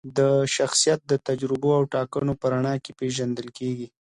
شخصیت د تجربو او ټاکنو په رڼا کي پیژندل کیږي.